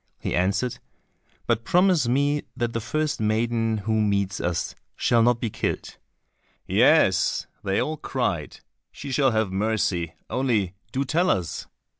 He answered, "But promise me that the first maiden who meets us shall not be killed." "Yes," they all cried, "she shall have mercy, only do tell us."